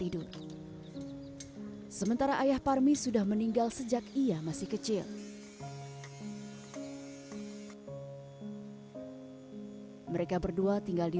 tidur sementara ayah parmi sudah meninggal sejak ia masih kecil mereka berdua tinggal di